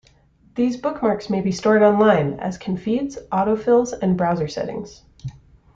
These bookmarks may be stored online - as can feeds, autofills, and browser settings.